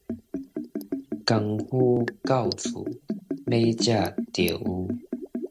功夫到厝，欲食就有